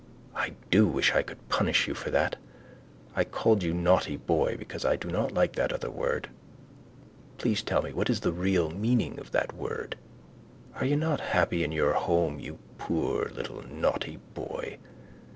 I do wish I could punish you for that. I called you naughty boy because I do not like that other world. Please tell me what is the real meaning of that word? Are you not happy in your home you poor little naughty boy?